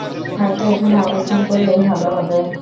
হয়তো এখানে অবস্থান করলেই ভালো হবে।